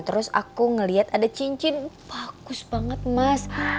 terus aku ngeliat ada cincin bagus banget mas